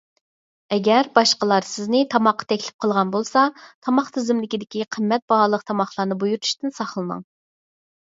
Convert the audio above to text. ئەگەر باشقىلار سىزنى تاماققا تەكلىپ قىلغان بولسا، تاماق تىزىملىكىدىكى قىممەت باھالىق تاماقلارنى بۇيرۇتۇشتىن ساقلىنىڭ.